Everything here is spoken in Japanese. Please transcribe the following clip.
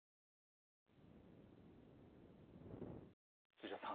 土田さん